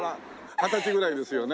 二十歳ぐらいですよね？